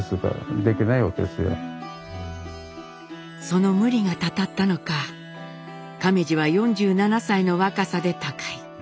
その無理がたたったのか亀次は４７歳の若さで他界。